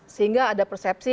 sehingga ada persepsi